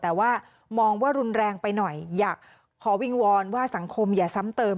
แต่ว่ามองว่ารุนแรงไปหน่อยอยากขอวิงวอนว่าสังคมอย่าซ้ำเติม